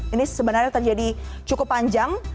ini sebenarnya terjadi cukup panjang